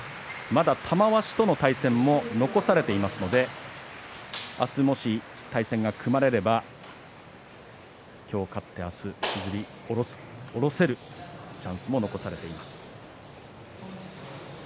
まだ玉鷲との対戦残されていますので明日、もし対戦が組まれれば今日勝って明日引きずり下ろせるチャンスも残されています。